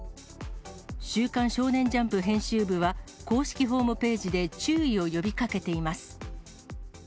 週刊少年ジャンプ編集部は、公式ホームページで注意を呼びかけています。